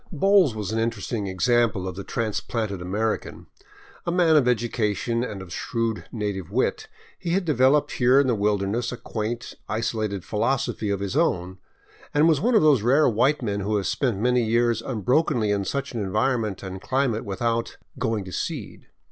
Bowles was an interesting example of the transplanted American. A man of education and of shrewd native wit, he had developed here in the wilderness a quaint, isolated philosophy of his own, and was one of those rare white men who have spent many years unbrokenly in such an environment and climate without " going to seed."